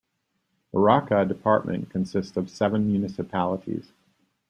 Arauca department consists of seven municipalities.